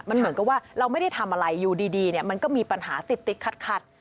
มันเหมือนกับว่าเราไม่ได้ทำอะไรอยู่ดีมันก็มีปัญหาติดขัด